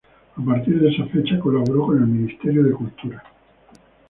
A partir de esa fecha colaboró con el Ministerio de Cultura.